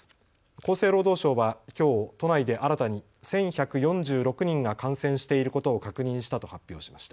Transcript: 厚生労働省はきょう都内で新たに１１４６人が感染していることを確認したと発表しました。